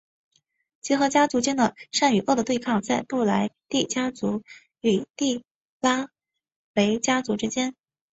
结合家族间的善与恶的对抗在布莱帝家族与帝梅拉家族之间。